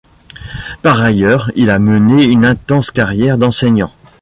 Par ailleurs, il a mené une intense carrière d'enseignant.